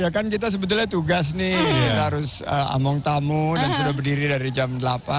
ya kan kita sebetulnya tugas nih kita harus among tamu dan sudah berdiri dari jam delapan